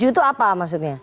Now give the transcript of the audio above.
tujuh itu apa maksudnya